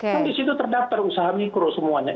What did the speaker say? kan di situ terdaftar usaha mikro semuanya